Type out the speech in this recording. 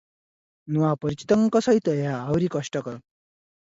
ନୂଆ ପରିଚିତଙ୍କ ସହିତ ଏହା ଆହୁରି କଷ୍ଟକର ।